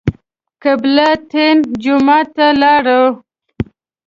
قبله تین جومات ته لاړو.